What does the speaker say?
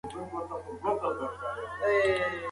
که موږ یو بل ته لاس ورکړو نو برکت به راسي.